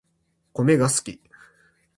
コメが好き